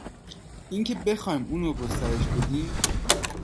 اینکه بخواهیم اون رو گسترش بدیم